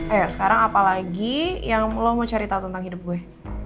eh sekarang apalagi yang lo mau cerita tentang hidup gue